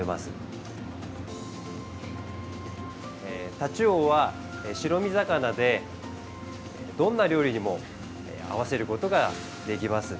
タチウオは白身魚でどんな料理にも合わせることができます。